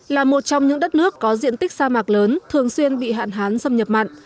là một trong những đất nước có diện tích sa mạc lớn thường xuyên bị hạn hán xâm nhập mặn